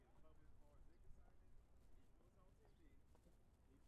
Wao si wa ulimwengu kama mimi nisivyo wa ulimwengu